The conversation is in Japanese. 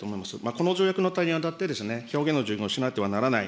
この条約のにあたって表現の自由が失われてはならない。